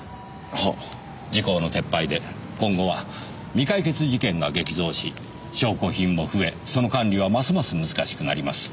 時効の撤廃で今後は未解決事件が激増し証拠品も増えその管理はますます難しくなります。